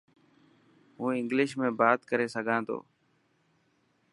هون انگلش ۾ بات ڪري سگھان ٿو.